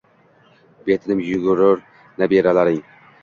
Betinim yugurar nabiralaring.